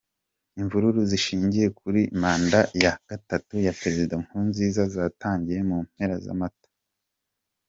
Imvururu zishingiye kuri manda ya gatatu ya Perezida Nkurunziza zatangiye mu mpera za Mata.